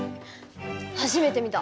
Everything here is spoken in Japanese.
初めて見た。